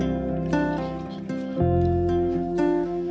bisa diselenggarakan seperti yang unik itu